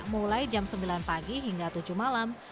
mulai jam sembilan pagi hingga tujuh malam